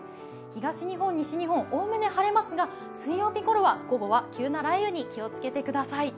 東日本、西日本、おおむね晴れますが水曜日ごろは、午後は急な雷雨に気をつけてください。